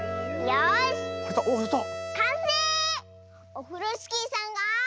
オフロスキーさんが。